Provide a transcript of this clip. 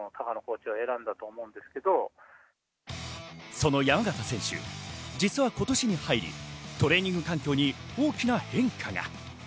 その山縣選手、実は今年に入り、トレーニング環境に大きな変化が。